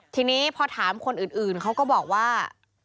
ทีนี้พอถามคนอื่นเขาก็บอกว่า